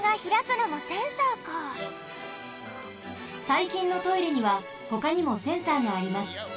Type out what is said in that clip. さいきんのトイレにはほかにもセンサーがあります。